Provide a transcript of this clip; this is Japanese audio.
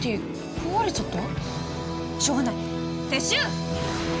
壊れちゃった？